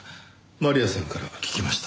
マリアさんから聞きました。